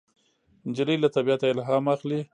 نجلۍ له طبیعته الهام اخلي.